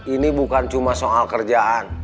ini bukan cuma soal kerjaan